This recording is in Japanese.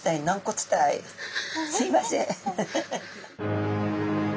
すいません。